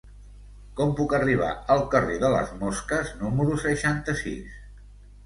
Com puc arribar al carrer de les Mosques número seixanta-sis?